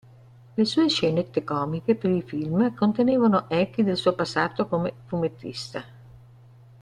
Le sue scenette comiche per i film contenevano echi del suo passato come fumettista.